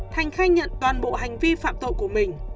thành khai nhận toàn bộ hành vi phạm tội của mình